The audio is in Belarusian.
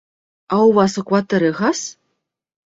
А у вас у кватэры газ?